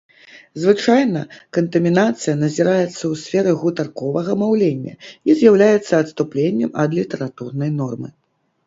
Звычайна, кантамінацыя назіраецца ў сферы гутарковага маўлення і з'яўляецца адступленнем ад літаратурнай нормы.